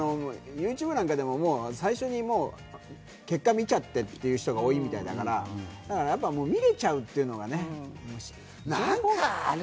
ＹｏｕＴｕｂｅでも最初に結果見ちゃってる人が多いみたいだから見れちゃうというのはね。